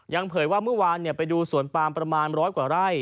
เผยว่าเมื่อวานไปดูสวนปามประมาณร้อยกว่าไร่